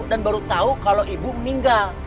dan baru tau kalau ibu meninggal